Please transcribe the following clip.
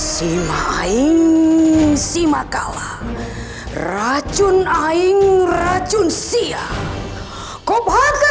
simaing simakala racun aing racun sia kop hati kusia